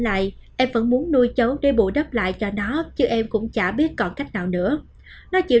lại em vẫn muốn nuôi cháu để bù đắp lại cho nó chứ em cũng chả biết còn cách nào nữa nó chỉ